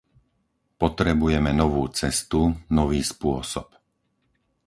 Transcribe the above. Potrebujeme novú cestu, nový spôsob.